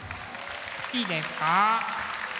いいですか？